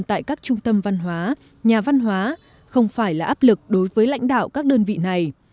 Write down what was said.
tại các trung tâm văn hóa nhà văn hóa không phải là áp lực đối với lãnh đạo các đơn vị này